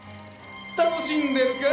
「楽しんでるか？